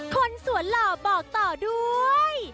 คนสวนหล่อบอกต่อด้วย